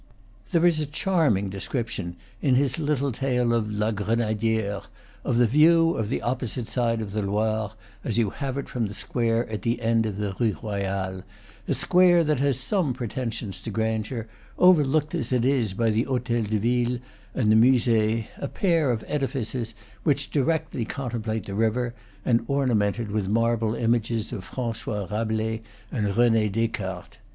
There is a charming description, in his little tale of "La Grenadiere," of the view of the opposite side of the Loire as you have it from the square at the end of the Rue Royale, a square that has some preten sions to grandeur, overlooked as it is by the Hotel de Ville and the Musee, a pair of edifices which directly contemplate the river, and ornamented with marble images of Francois Rabelais and Rene Descartes.